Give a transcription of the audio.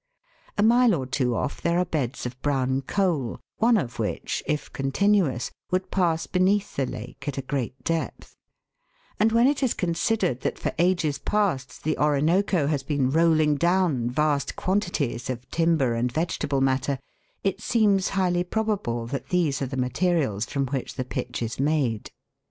A mile or two off there are beds of brown coal, one of which, if continuous, would pass beneath the lake at a great depth ; and when it is considered that for ages past the Orinoco has been rolling down vast quantities of timber and vegetable matter, it seems highly probable that these are the materials from which the pitch is made.